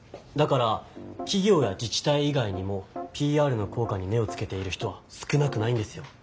だから企業や自ち体以外にもＰＲのこうかに目をつけている人は少なくないんですよ。